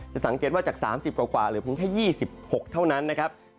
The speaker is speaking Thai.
สังเกตว่าจาก๓๐กว่าเหลือเพียงแค่๒๖เท่านั้นนะครับ